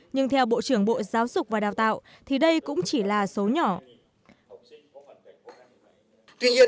nhưng theo bộ trưởng bộ giáo dục và đào tạo thì đây cũng chỉ là số nhỏ